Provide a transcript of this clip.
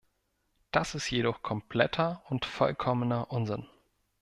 Das ist jedoch kompletter und vollkommener Unsinn.